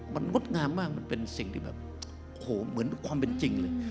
มันงดงามมากมันเป็นสิ่งที่แบบโอ้โหเหมือนความเป็นจริงเลย